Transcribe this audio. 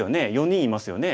４人いますよね。